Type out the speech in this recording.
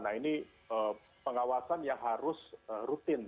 nah ini pengawasan yang harus rutin